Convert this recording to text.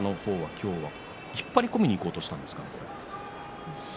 今日は引っ張り込みにいこうとしたんですかね。